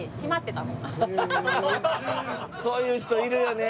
そういう人いるよね。